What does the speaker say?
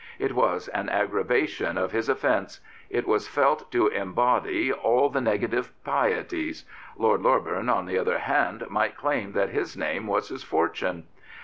It was an aggrava tion of his offence. It was felt to embody all the negative pieties. Lord Loreburn, on the other hand, might claim that his name was his fortune.